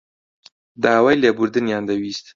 داوای لێبوردنیان دەویست.